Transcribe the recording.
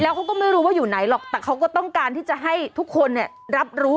เขาก็ไม่รู้ว่าอยู่ไหนหรอกแต่เขาก็ต้องการที่จะให้ทุกคนเนี่ยรับรู้